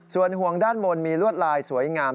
ส่วนห่วงด้านบนมีลวดลายสวยงาม